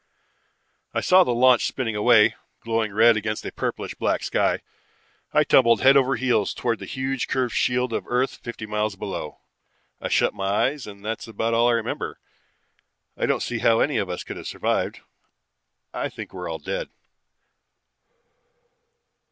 "I saw the launch spinning away, glowing red against a purplish black sky. I tumbled head over heels towards the huge curved shield of earth fifty miles below. I shut my eyes and that's about all I remember. I don't see how any of us could have survived. I think we're all dead.